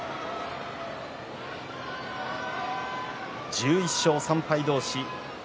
１１勝３敗同士。